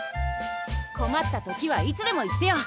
困った時はいつでも言ってよ。